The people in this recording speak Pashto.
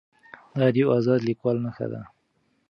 دا د یو ازاد لیکوال نښه ده.